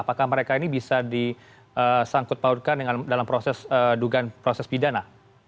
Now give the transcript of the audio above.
apakah mereka ini bisa disangkut pautkan dalam proses dugaan proses pidana